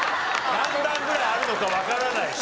何段ぐらいあるのかわからない。